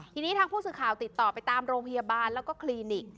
ทีนี้ทางผู้สื่อข่าวติดต่อไปตามโรงพยาบาลแล้วก็คลินิก